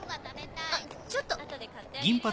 あちょっと。